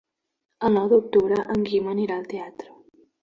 El nou d'octubre en Guim anirà al teatre.